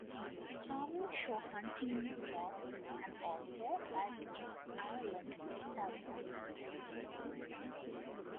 Carvings show hunting with dogs, and also, unlike in Ireland, with falcons.